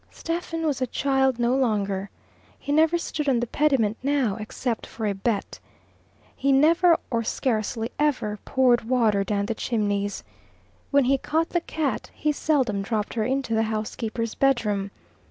Stephen was a child no longer. He never stood on the pediment now, except for a bet. He never, or scarcely ever, poured water down the chimneys. When he caught the cat, he seldom dropped her into the housekeeper's bedroom.